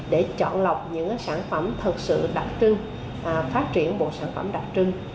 để chọn lọc những sản phẩm thật sự đặc trưng phát triển bộ sản phẩm đặc trưng